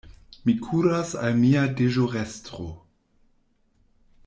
Mi kuras al mia deĵorestro.